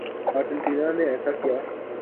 Argentina نے ایسا کیا۔